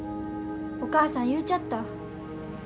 お母さん言うちゃった。